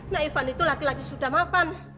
naifan itu laki laki sudah mapan